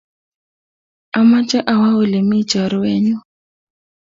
Amache awo ole mi chorwennyu.